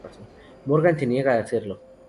Morgan se niega a hacerlo.